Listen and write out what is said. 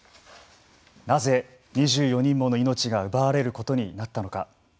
なぜ２４人もの命が奪われることになったのか。